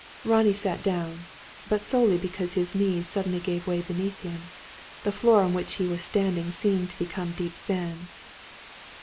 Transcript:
Ronnie sat down; but solely because his knees suddenly gave way beneath him. The floor on which he was standing seemed to become deep sand.